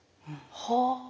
はあ。